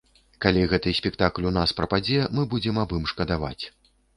Калі гэты спектакль у нас прападзе, мы будзем аб ім шкадаваць.